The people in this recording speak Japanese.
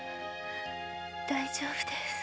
大丈夫です。